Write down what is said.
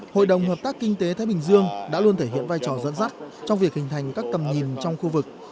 hội đồng hợp tác kinh tế thái bình dương đã luôn thể hiện vai trò dẫn dắt trong việc hình thành các tầm nhìn trong khu vực